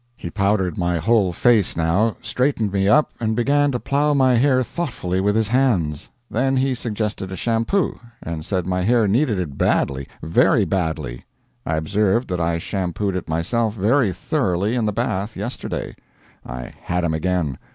He powdered my whole face now, straightened me up, and began to plow my hair thoughtfully with his hands. Then he suggested a shampoo, and said my hair needed it badly, very badly. I observed that I shampooed it myself very thoroughly in the bath yesterday. I "had him" again.